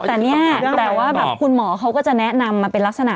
แต่เนี่ยแต่ว่าแบบคุณหมอเขาก็จะแนะนำมาเป็นลักษณะ